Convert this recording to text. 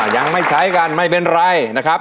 ยังไม่ใช้กันไม่เป็นไรนะครับ